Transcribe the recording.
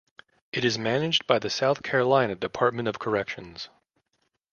It is managed by the South Carolina Department of Corrections.